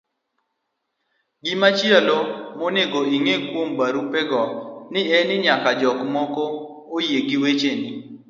Gimachielo monego ing'e kuom barupego en ni nyaka jok moko yie gi wecheni